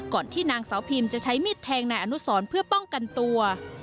ที่นางสาวพิมจะใช้มีดแทงนายอนุสรเพื่อป้องกันตัว